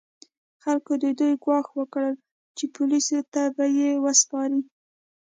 خلکو د دوی ګواښ وکړ چې پولیسو ته به یې وسپاري.